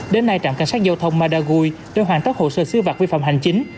đến nay trạm cảnh sát giao thông managui đã hoàn tất hồ sơ sưu vặt vi phạm hành chính